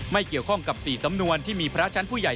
ไม่เกี่ยวข้องกับ๔สำนวนที่มีพระชั้นผู้ใหญ่